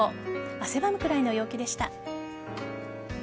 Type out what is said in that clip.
汗ばむくらいの陽気でした。